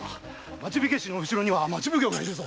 町火消しの後ろには町奉行がいるぞ。